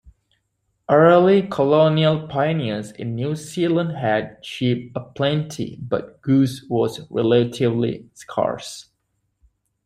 Early colonial pioneers in New Zealand had sheep aplenty, but goose was relatively scarce.